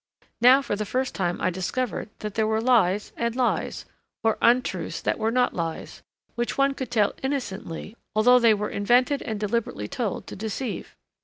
Now for the first time I discovered that there were lies and lies, or untruths that were not lies, which one could tell innocently although they were invented and deliberately told to deceive.